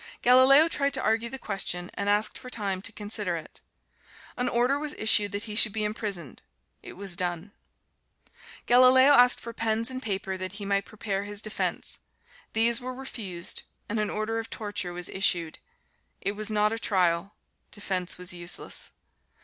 Galileo tried to argue the question and asked for time to consider it. An order was issued that he should be imprisoned. It was done. Galileo asked for pens and paper that he might prepare his defense. These were refused, and an order of torture was issued. It was not a trial, defense was useless.